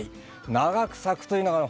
長く咲くというのがね